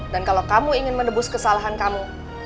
dan kalo kamu ingin menebus kesalahan kamu